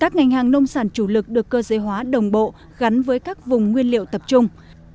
các ngành hàng nông sản chủ lực được cơ giới hóa đồng bộ gắn với các vùng nguyên liệu tập trung